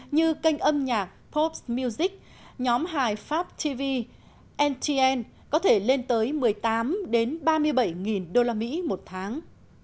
như kênh âm nhạc pops music nhóm hài pháp tv ntn có thể lên tới một mươi tám ba mươi bảy usd một tháng